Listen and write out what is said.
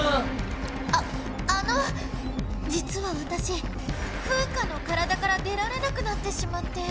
ああのじつはわたしフウカの体から出られなくなってしまって。